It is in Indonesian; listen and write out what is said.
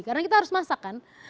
karena kita harus masakan